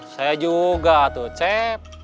saya juga tuh cep